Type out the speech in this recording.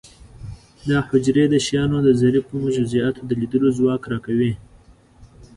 دا حجرې د شیانو د ظریفو جزئیاتو د لیدلو ځواک را کوي.